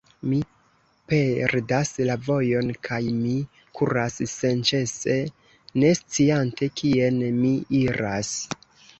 Mi perdas la vojon, kaj mi kuras senĉese, ne sciante, kien mi iras.